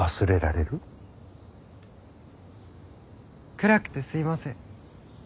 暗くてすいません。